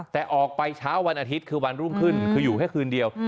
แต่ออกไปเช้าวันอาทิตย์คือวันรุ่งขึ้นคืออยู่แค่คืนเดียว